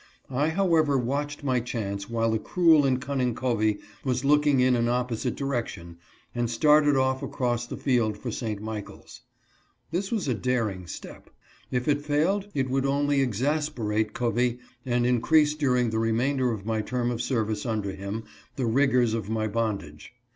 I however watched my chance while the cruel and cunning Covey was looking in an opposite direction, and started off across the field for St. Michaels. This was a daring step. If it failed it would only exas perate Covey and increase during the remainder of my term of service under him, the rigors of my bondage.